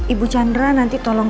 ibu chandra nanti tolong